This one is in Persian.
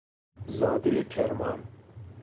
زادهی کرمان